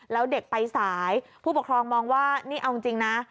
แล้วเด็กไปสายผู้ปกครองมองว่านี่เอาจริงนะ